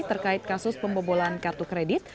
terkait kasus pembobolan kartu kredit